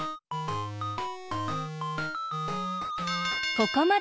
ここまで。